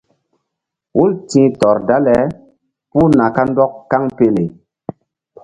Hul ti̧h tɔr dale puh na kandɔk kaŋpele.